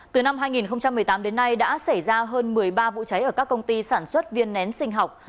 từ năm hai nghìn một mươi tám đến nay đã xảy ra hơn một mươi ba vụ cháy ở các công ty sản xuất viên nén sinh học